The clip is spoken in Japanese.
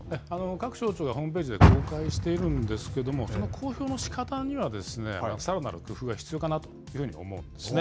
各省庁がホームページで公開しているんですけども、その公表のしかたにはですね、さらなる工夫が必要かなというふうに思うんですね。